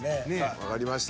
わかりました。